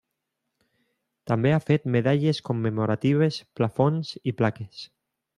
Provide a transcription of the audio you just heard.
També ha fet medalles commemoratives, plafons i plaques.